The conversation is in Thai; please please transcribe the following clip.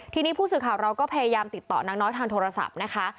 ทีนี้ผู้สื่อข่าวเราก็พยายามติดต่อนางน้อยทางโทรศัพท์นะคะ